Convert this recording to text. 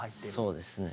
そうですね。